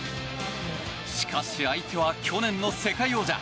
しかし、相手は去年の世界王者。